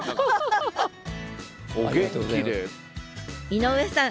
井上さん